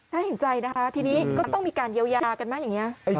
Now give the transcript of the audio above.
นั่นอิงใจทีนี้ก็ต้องมีการเยียวยากันมากอย่างนี้